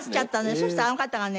そしたらあの方がね。